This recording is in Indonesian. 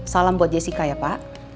salam buat jessica ya pak